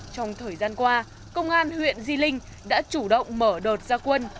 trong thời gian qua công an huyện di linh đã chủ động mở đột gia quân